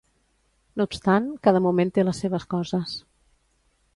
No obstant, cada moment te les seves coses.